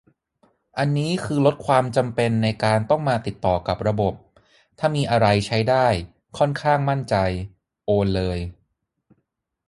อันนี้คือลดความจำเป็นในการต้องมาติดต่อกับระบบ ถ้ามีอะไรใช้ได้ ค่อนข้างมั่นใจ โอนเลย